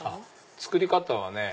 作り方はね